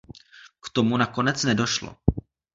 K tomu nakonec nedošlo.